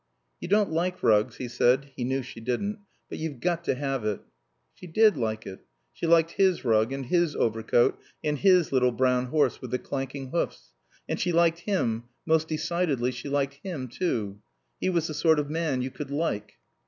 "You don't like rugs," he said (he knew she didn't), "but you've got to have it." She did like it. She liked his rug and his overcoat, and his little brown horse with the clanking hoofs. And she liked him, most decidedly she liked him, too. He was the sort of man you could like.